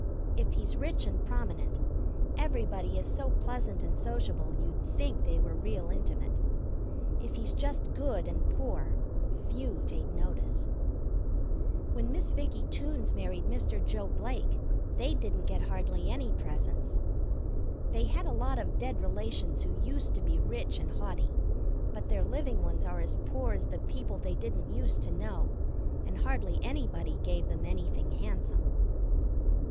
If he's rich and prominent, everybody is so pleasant and sociable you'd think they were real intimate. If he's just good and poor, few take notice. When Miss Vickie Toones married Mr. Joe Blake they didn't get hardly any presents. They had a lot of dead relations who used to be rich and haughty, but their living ones are as poor as the people they didn't used to know, and hardly anybody gave them anything handsome.